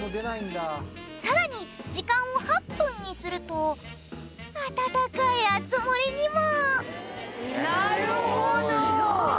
さらに時間を８分にすると温かい熱盛りにも。